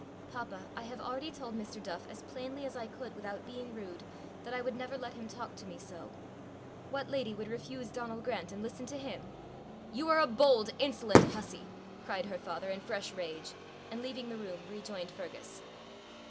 "Papa, I have already told Mr. Duff, as plainly as I could without being rude, that I would never let him talk to me so. What lady would refuse Donal Grant and listen to him!" "You are a bold, insolent hussey!" cried her father in fresh rage and leaving the room, rejoined Fergus.